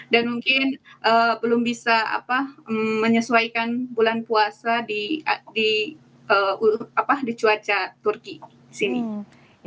dan mungkin belum bisa menyesuaikan bulan puasa di cuaca turki sini